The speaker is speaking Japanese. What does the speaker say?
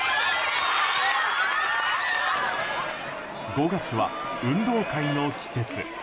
５月は運動会の季節。